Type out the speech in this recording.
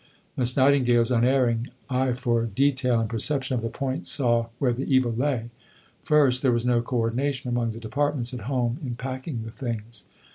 Miss Nightingale's unerring eye for detail and perception of the point saw where the evil lay. First, there was no co ordination among the departments at home in packing the things.